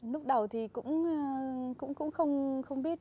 lúc đầu thì cũng không biết